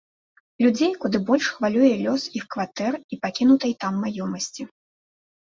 Людзей куды больш хвалюе лёс іх кватэр і пакінутай там маёмасці.